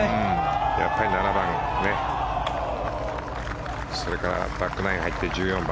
やっぱり７番、それからバックナインに入って１４番